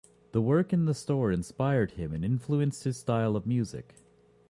The work in the store inspired him and influenced his style of music.